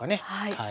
はい。